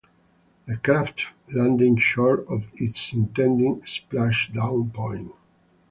The craft landed short of its intended splashdown point.